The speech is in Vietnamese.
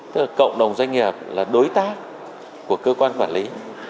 tức là cộng đồng doanh nghiệp là đối tác của cơ quan quản lý